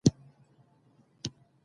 زه د فکر کولو عادت لرم.